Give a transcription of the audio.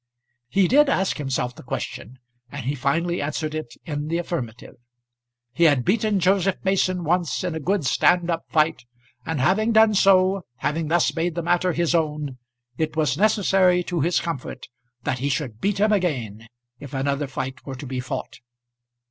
He did ask himself the question, and he finally answered it in the affirmative. He had beaten Joseph Mason once in a good stand up fight; and having done so, having thus made the matter his own, it was necessary to his comfort that he should beat him again, if another fight were to be fought.